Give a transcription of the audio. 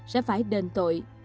sẽ phải đền tội